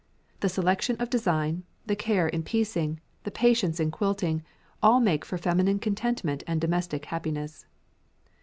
The selection of design, the care in piecing, the patience in quilting; all make for feminine contentment and domestic happiness.